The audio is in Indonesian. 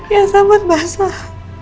ya sahabat basah